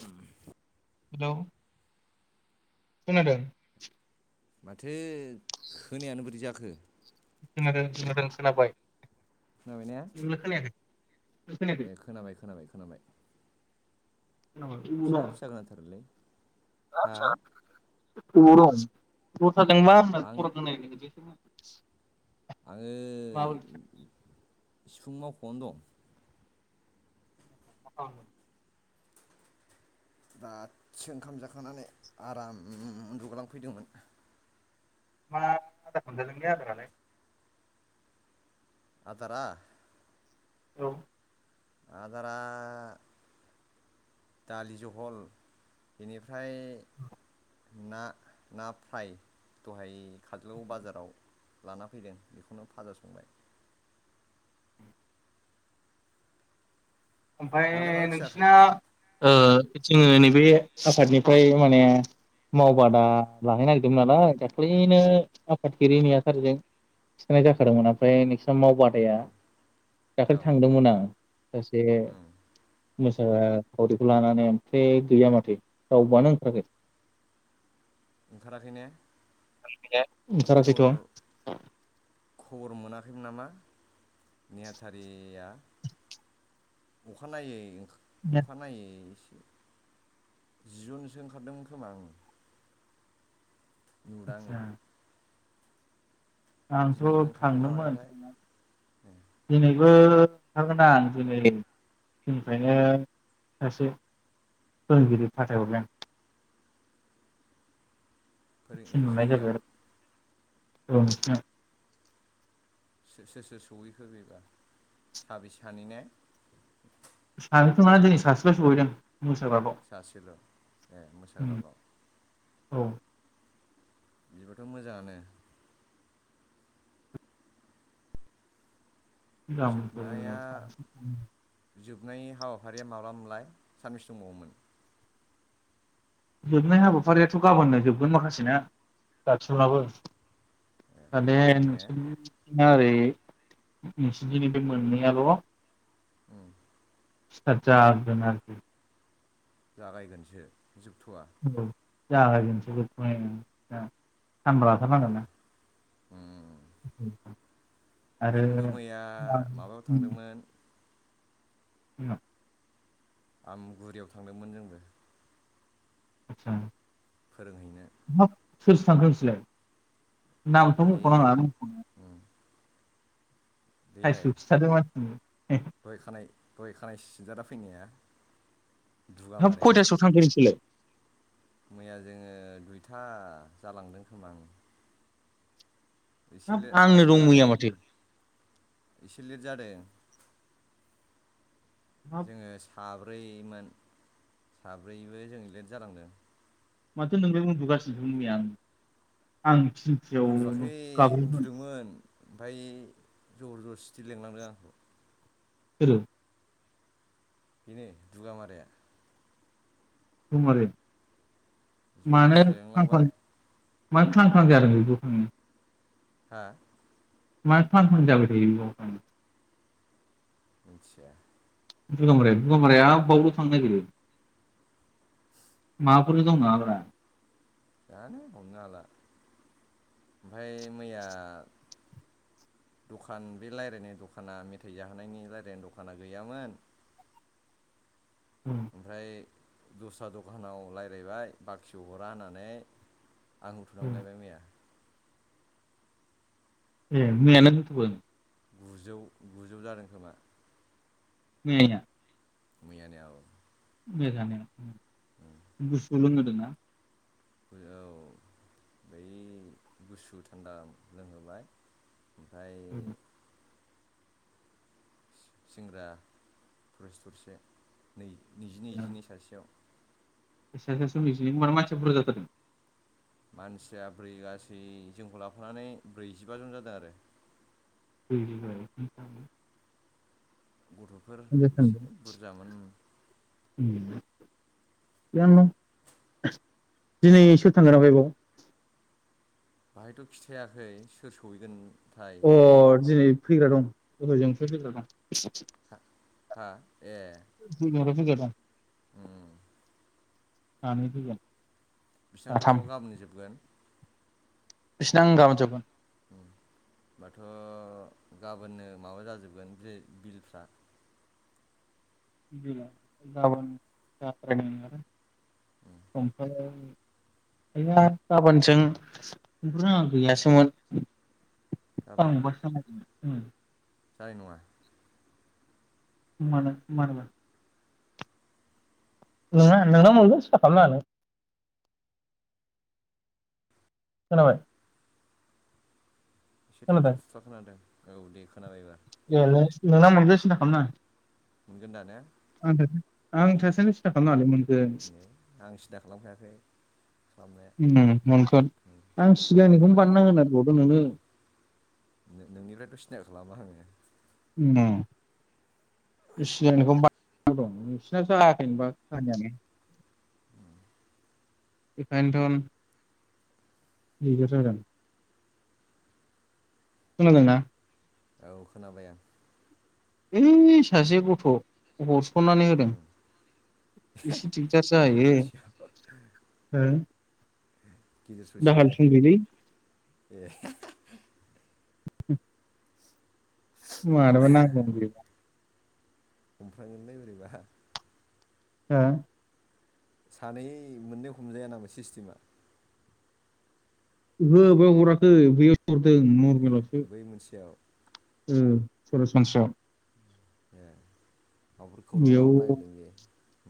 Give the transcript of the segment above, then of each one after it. [inaudible] Hello खोनादों? माथो खोनायानो बोरै जाखो? खोनादों खोनादों खोनाबाय। खोनाबाय ने नोंलाय खोनायाखै? खोनायाखै ए खोनाबाय खोनाबाय खोनाबाय। फिसा खोनाबाय फिसा खोनाथारोलै। हा? आबाव दं? आङो [unintelligible] [inaudible] आङो। माबोरै मा सिफुं मावख'नो दं। [inaudible] दादसो ओंखाम जाखांनानै आराम उन्दुग्लांफैदोंमोन। मा आदार मोनजादोंलै आदायालाय? आदारा? औ। आदारा दालि जहल बेनि। फ्राय। ना ना फ्राय दहाय। खाजलगाव बाजाराव। लाना फैदों बेखौनो भाजा संबाय। ओमफाय नोंहालाय मा ओंख्रि जाखो नोंसिना। ओ जोङो नैबे आफादनिफ्राय माने। औ मावबादा लाहैनो नागिरदोंमोन नालाय दाख्लि। नो आफादगिरि नेहाथारिजों थिनाय जाखादोंमोन ओमफ्राय आसाम मावबादाया औ दाखालि थांदोंमोन आं बे मोसाखावरिखौ लानानै ओमफ्रायो गैया माथो रावबोआनो ओंखाराखै ओंखाराखै ने ओंखाराखैथ' खबर खबर मोनाखैमोन नामा नेहाथारिया अखानायै अखानायै जियनसो ओंखारदोंमोन खोमा आङो [unintelligible] आङो आदसा आंथ' दिनैबो ओंखारदों ना थांदोंमोन मादोंथाय दिनै बो थांगोनदां दिनै जनिफ्रायनो सासे फोरोंगिरि फाथायहरदों आं फोरोंगिरि थिनहरनाय जाबाय जोंनियाव आरो औ सोर सोर सहैखो बेबा साबै सानै ने [unintelligible] खोमा दिनै सासेल' सहैदों मोसाग्राखौ सासेल' ए मोसाग्राल' औ बिबोथ' मोजाङानो जोबनाया [unintelligible] जोबनाय हाबाफारिया माब्ला मोनलाय सानबिसे दंबावोमोन? जोबनाय हाबाफारियाथ' गाबोननो जोबगोन माखासेना दानसलाबो। [unintelligible] ए ओरै गाबोननो ने नोंसोरनि दिनि बे मोननैयाल' उम [unintelligible] जागायगोनसो। जोबथ'वा औ। जागायजोनसो [unintelligible] सानबा लाथारनांगोन ना। उम। [inaudible] आरो जोंबो मैया माबायाव उम थांदोंमोन। [unintelligible] आमगुरियाव थांदोंमोन जोंबो। आतसा। फोरोंहैनो। सोर सोर थांखो नोंसोरलाय? नामखौ बे मुंख' नाङा। बैलाय मानसिनो दहाय खानाय दहाय खानाय सिनजाना फैनाया। हाब दुगामाराया खयथासोआव थाखौ नोंसोरलाय? मैया जोङो दुइथा जालांदों खोमा। एसे हाब लेट आंनो आरायथा दं जादों मैया माथो एसे लेट जादों। हाब जोङो साब्रै ब्रैमोन साब्रैबो जोङो लेट जालांदों। माथो नोंलाय उन्दुगासिनोमोन मैया आं आं थिनथायाव उन्दुवाखै गाब्रबोमोन उन्दुदोंमोन ओमफ्राय जबरजसटि लिलांदों आंखौ। सोरो? बेनो दुगा माराया। [unintelligible] मानो जर [unintelligible] जस्ति लेंलांबाय मानो ख्लां ख्लां जादों बियो बेयाव थांनो? हा? मानो ख्लां ख्लां जाबाय थायो बेयाव थांनो। आतसा। दुगामाराया दुगामाराया बावल' थांनो नागिरो माबाफोर दं नङाब्रा? जानो हमनो हाला ओमफाय मैया दखान बे रायलायनाय दखाना मेथाइ जाहोनायनि रायलायनाय दखाना गैयामोन। ओमफ्राय दस्रा दखानाव रायलायबाय बाखिबो हरा होननानै आं [unintelligible] मैया ए मैया नों [unintelligible] गुजौ गुजौ जादों खोमा। मैयाना मैयानिया औ मैया जानायाव गुसु लोंहोदोंना? औ बै गुसु थान्दा लोंहोबाय ओमफ्राय [inaudible] सिंग्रा थरसे थरसे नै। नैजिनैजिनै सासेयाव [unintelligible] मानसिया बुरजा जाथारदों मानसिया ब्रै गासै जोंखौ लाफानानै ब्रैजिबा जन जादों आरो। [unintelligible] गथ'फोर बुरजा एसे थांदों बुरजामोन। [unintelligible] दिनै सोर थांगोन ओमफाय बायाव? बाहायथ' खिथायाखै सोर सौहैगोन अ दिनै फैग्रा दं अट'जोंफ्राय फैग्रा दं हा हा ए [unintelligible] ओम सानै फैगोन बिसिनाथ' साथाम गाबोननो जोबगोन इसना ओं गाबोन जोबगोन होमबाथ' गाबोननो माबा जाजोबगोन बे बिलफ्रा‌। गाबोन [unintelligible] उम गाबोनजों [unintelligible] गैयासोमोन। ओं गाबोन [unintelligible] उम जानाय नङा। मानो मानोमोन? नोंङा नोंना मोनगोन सिनथा खालामनाङा नों। खोनाबाय एसे थाबथा खोनादों थुबथा खोनादों। औ दे खोनाबायबा ए [unintelligible] मोनगोन सिन्था खालामनाङा। मोनगोन दा ने आं थाइसे आं थासान्दियाव सिन्था खालामनाङा लै मोनगोन आं सिन्था खालामखायाखै खालामनाया उम मोनगोन आं सिगांनिखौनो नोंनिफ्राय बानायना होनो बावदों नोंनो नोंनिफ्रायथ' सिन्था खालामा आङो। सिगांनिखौ [unintelligible] नोंसिना जायाखैनोबा खामानियानो। उम एखाइन्थ' [unintelligible] खोनादोंना? औ खोनाबाय आं। ओइ सासे गथ' हर खननानै होदों उम एसे दिगदार गेजेर ससेयाव जायो गेजेर दाहाल ससेयावनो थुंग्रिलै ए [inaudible] मारैबो नांगौमोन हमफ्रांगोनलै बोरैबा हा सानै मोननै हमजाया नामा सिस्टेमा? ओहो बावगाराखै बेयाव परतेल ए नरमेलावसो बै मोनसेयाव औ सरासनस्रायाव ए माबाफोर खौरां लाहरनो नागिरदों बेयो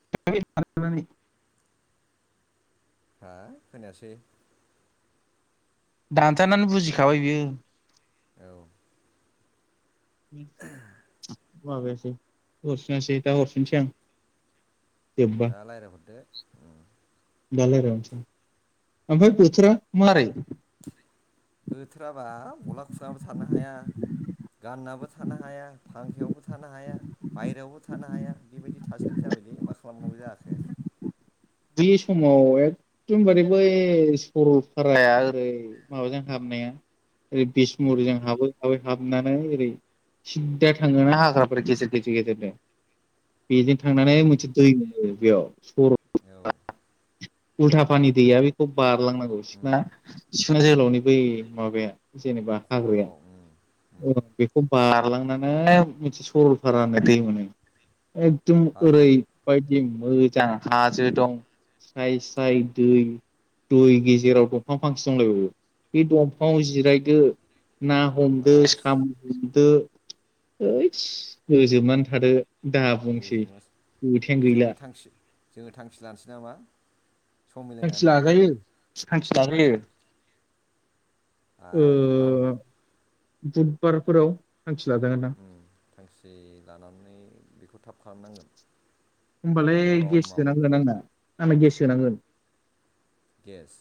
[unintelligible] हा खोनायासै दानजानानै बुजिखाबाय बियो। औ बे। माबायासै हरफिनासै दा हरफिनोसै आं। जोब्बा दा रायज्लायहरदो। दा रायज्लायनोसै आं ओमफ्राय बोथोरा मारै। बोथोराबा गला खुनाबो थानो हाया गाननाबो थानो हाया फांखायावबो थानो हाया। बायेरायावबो थानो हाया बेबायदि थार। थासारि जाबायलै मा खालामबावनांगौ जाखो। बे समाव एकदमबारे बै सरलपाराया ओरै माबाजों हाबनाया। ओरै उम बिसमुरिजों हाबै हाबै हाबो। हाबनानै ओरै सिददा थांनानै हाग्राबारि गेजेर गेजेर गेजेरजों। बेजों थांनानै मोनसे दै। बेयाव। औ उलथा फानि दैया बेखौ बारनानै। बारलां नांगौ। उम सिखोना जोहोलावनि बै माबाया। जेनेबा हाग्राया। खर'आव उम उम औ बेखौ। बारलांनानै मोनसे सरलपारा होननाय दै मोनो। एगदम हाजो ओरै बायदि। मोजां हाजो दं स्राय स्राय दै दै गेजेराव दंफां फांसे दंलायबो बे दंफांआव जिरायदो ना हम। [unintelligible] बास साम हमदो। ओइदस गोजोमनानै थादो। दा बुंसै खोथायानो गैला जोङो थांखि जोङो थांखि लानोसै नामा? सम थांखि मिलायनानै लाजायो थांखि उम लाजायो। ओ आराम। बुधबारफोराव। थांखि लाजागोनदां थांखि लानानै बेखौ थाब। खालामनांगोन। होमबालाय गेस गरमाव सोनांगोन आंना। आंना गेस सोनांगोन। गेस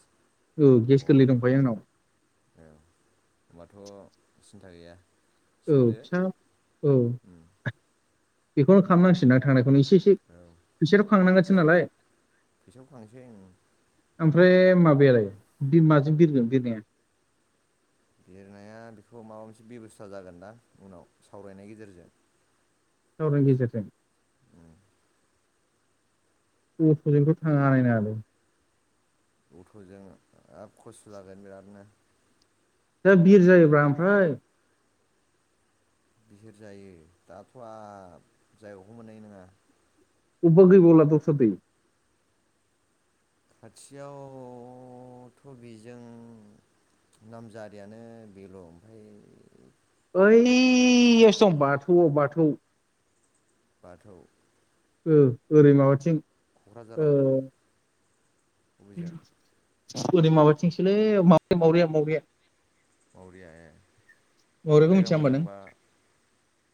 औ गेस अ गोरलै दंखायो आंनाव औ होमबाथ सिन्था गैया। औ सोदो फिसा औ। उम बेखौनो खालामनांसिगोन आं थांनायखौ मि। फैस' औ फैसाथ खांनांगोनसो जाय नालाय। फैसाखौ खांसै उम ओमफ्राय माबायालाय बि माजों बिरगोन बिरनाया? लिरनाया बेखौ माबा मोनसे बेब'स्था जागोन दा उनाव सावरायनायनि गेजेरजों। सावराय गेजेरजों। उम अट'जोंथ' थाङानो हानाय नङा लोय। अट'जों हाब खस्थ' जागोन बिरादनो। दा बिर जायोब्रा ओमफ्राय। बिहिर जायो दाथ' आ जायगाखौनो मोननाय नङा। उबा गैबावला दस्रा दै। खाथियावथ' बेजों नामजारियानो बेल' ओमफाय। बै एस दं बाथौआव बाथौ। बाथौ। ओ ओरै माबाथिं। क'क्राझाराव। हबिजों द। ओरै माबाथिंसोलै माबै मावरिया मावरिया। मावरियाया। मावरियाखौ जायगा मिथिया होमबा नों मोजांबा।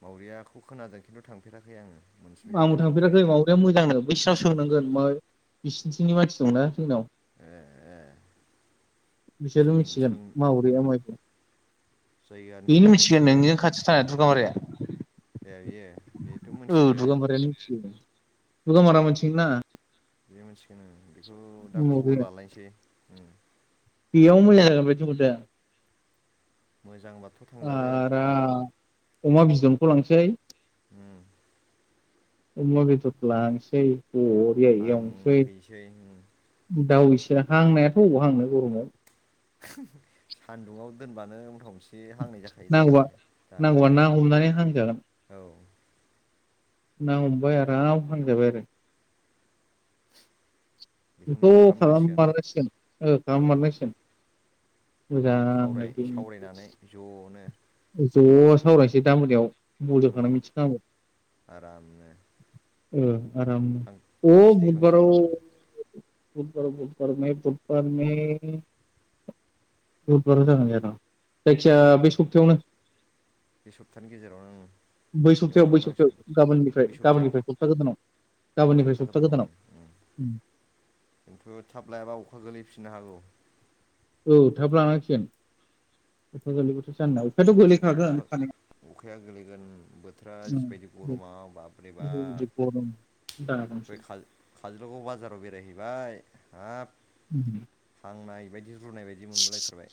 मावरियाखौ खोनादों खिन्थु थांफेराखै आङो। मोनसेबो आंबो जायगा थांफिराखै मा। बे मोजां नों। बिसिनाव सोंनांगोन म। बिसिनिथिंनि मानसि दंना। जोंनाव ए ए बिसोरो सों मिथिगोन सों उम मावरिया माइ दं जायगानि बेनो सोमोन्दै मिथिगोन एसे ए नोंजों खाथियाव थानाय दुगामाराया। ए बियो बेथ' ओ मोनथिगोन दुगामारायानो मिथिगो दुगामारा मिथिना बे मोनथिगोन ओ बेखौ दा खबर लालायनोसै। बेयावनो मोजां जागोन बायदि मोनदो आं। मोजां बा थ' थांजागोन आराम अमा बिदनखौ लांसै उम अमा बेदर लांसै बरिया एवनोसै थांहैसै उम दाउ एसे ज हांनायाथ' अबाव हांनो गरमाव सान्दुङाव दोनबानो [unintelligible] एसे हांनाय जाखायो नांगौबा दरेक्टनो दा नांगौबा ना हमनानै हांजागोन। औ। ना हमबाय आराम हांजाबाय आरो। बेखौनो बेखौ खालाम खालामनांसिगोन मारनांसिगोन ओ खालाम औ मारनांसिगोन। मोजांनो सावराय बे सावरायनानै ज'नो उम [inaudible] ज' सावरायनोसै दा मोनायाव। बलजा खानाय मिथिनांगौ। आरामनो [inaudible] ओ आराम थां अ थांखि दैखांसै बुदबाराव उम बुधबार बुधबार मे बुधबार मे बुधबार जागोन जानो? जायखिजाया बे सप्तायावनो। बे सप्तानि गेजेरावनो उम [inaudible] बै बेयावनो सप्तायाव बै सप्तायाव खालामनांसिगोन गाबोननिफ्राय बै सप्तायाव गाबोननिफ्राय सप्ता गोदानाव गाबोननिफ्राय सप्ता गोदानाव उम। खिन्थु थाब लायाबा अखा गोलैफिननो हागौ। औ थाब लानांसिगोन अखा गोलैबाथ जाननाव अखायाथ' गोलै खागोन खानाया। खाया गोलैगोन बोथोरा उम जिबायदि गरमाव बाब्रे बाब बे गरम बे दाबांसो काल-काजलगाव बाजाराव बेरायहैबाय हाब उम हांनाय बायदि रु रुनाय बायदि मोनबोलायथारबाय।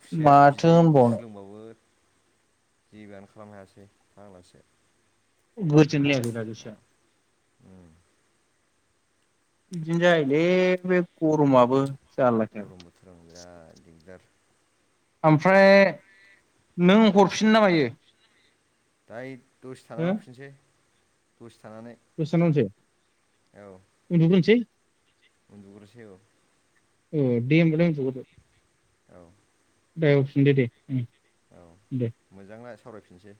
खुसेर माथो बिदै होनबावनो गुसु लोंबाबो जिबोआनो खालामनो हायासै फाग्लासो। गोजोन लायाखै [unintelligible] मा उम। बिदिनो जायोलै बे गरमआबो। गरम बोथोराव बिराद दिगदार। ओमफ्राय नों हरफिनो ना मायो? दाय दसे थानानै हो हरफिनसै। दसे थानानै दसे थाना हरसै? औ उन्दु ग्रोनोसै। उन्दुग्रोसै औ। ए दे होनबालाय उन्दुगोरदो। औ दाहाय हरफिन दे। उम, औ दे। मोजांना सावरायफिनसै।